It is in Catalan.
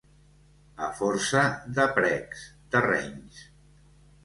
A força de precs, de renys.